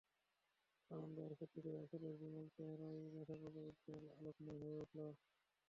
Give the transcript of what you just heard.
আনন্দ আর ফুর্তিতে রাসূলের বিমল চেহারার রেখাগুলো উজ্জ্বল আলোকময় হয়ে উঠল।